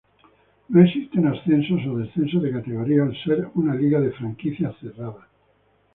No existen ascensos o descensos de categoría al ser una liga de franquicias cerrada.